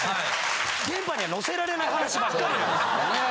・電波にはのせられない話ばっかりなんです。